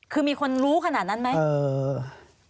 คือมีคนรู้ขนาดนั้นไหม